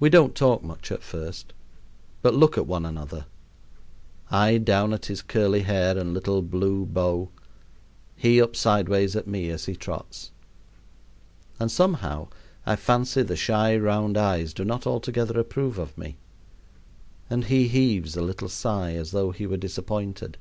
We don't talk much at first, but look at one another; I down at his curly hair and little blue bow, he up sideways at me as he trots. And some how I fancy the shy, round eyes do not altogether approve of me, and he heaves a little sigh, as though he were disappointed.